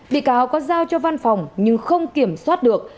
bị cáo có giao cho văn phòng nhưng không kiểm soát được